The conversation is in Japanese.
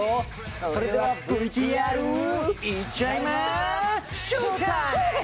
それではＶＴＲいっちゃいまショータイム！